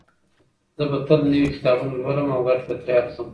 زه به تل نوي کتابونه لولم او ګټه به ترې اخلم.